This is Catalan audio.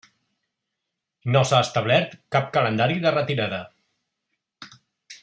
No s'ha establert cap calendari de retirada.